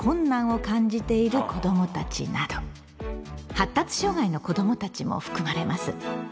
発達障害の子どもたちも含まれます。